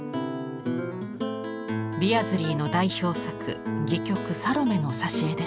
ビアズリーの代表作戯曲「サロメ」の挿絵です。